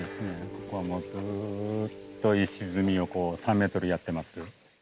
ここはもうずっと石積みを３ｍやってます。